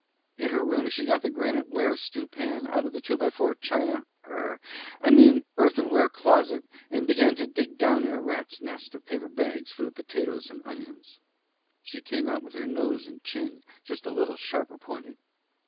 In her room she got the granite ware stew pan out of the 2x4 foot china er I mean earthenware closet, and began to dig down in a rat's nest of paper bags for the potatoes and onions. She came out with her nose and chin just a little sharper pointed.